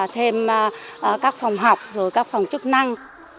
thêm các phòng học các phòng chức năng